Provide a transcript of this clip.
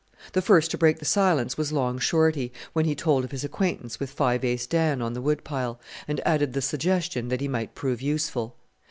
The first to break the silence was Long Shorty, when he told of his acquaintanceship with Five Ace Dan on the Wood pile, and added the suggestion that he might prove useful.